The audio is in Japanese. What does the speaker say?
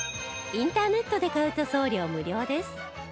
インターネットで買うと送料無料です